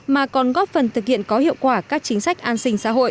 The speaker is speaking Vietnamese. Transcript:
mà còn góp phần thực hiện có hiệu quả các chính sách an sinh xã hội